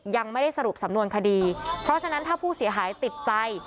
ยังไม่ได้สรุปสำนวนคดีเพราะฉะนั้นถ้าผู้เสียหายติดใจ